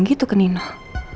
masuk ke rumah